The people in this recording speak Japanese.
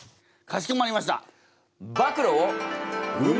かしこまりました！